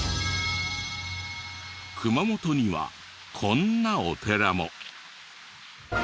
熊本にはこんなお寺も。